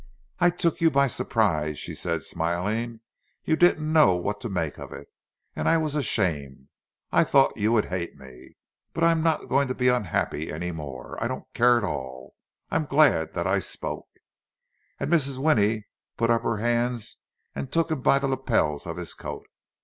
"I took you by surprise," she said, smiling. "You didn't know what to make of it. And I was ashamed—I thought you would hate me. But I'm not going to be unhappy any more—I don't care at all. I'm glad that I spoke!" And Mrs. Winnie put up her hands and took him by the lapels of his coat.